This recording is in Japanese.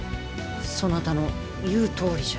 そなたの言うとおりじゃ。